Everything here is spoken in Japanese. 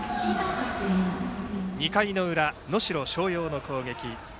２回の裏、能代松陽の攻撃。